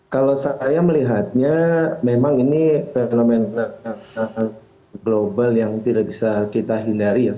kalau saya melihatnya memang ini fenomena global yang tidak bisa kita hindari ya